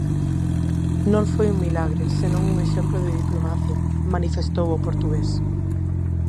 "Non foi un milagre, senón un exemplo de diplomacia", manifestou o portugués.